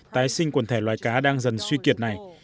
tái sinh quần thể loài cá đang dần suy kiệt này